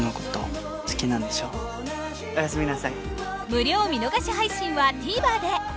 無料見逃し配信は ＴＶｅｒ で